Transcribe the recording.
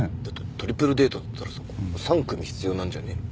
トリプルデートだったらさ３組必要なんじゃねえの？